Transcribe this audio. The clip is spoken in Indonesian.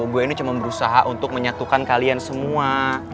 gue ini cuma berusaha untuk menyatukan kalian semua